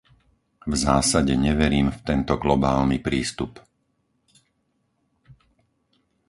V zásade neverím v tento globálny prístup.